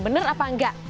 bener apa enggak